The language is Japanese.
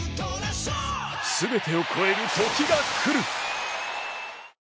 全てを超える時が来る。